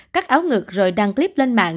cắt áo ngực rồi đăng clip lên mạng